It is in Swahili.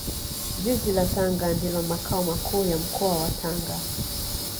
Jiji la Tanga ndio Makao Makuu ya Mkoa wa Tanga